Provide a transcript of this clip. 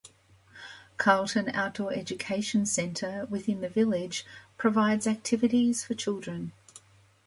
Carlton Outdoor Education Centre within the village provides activities for children.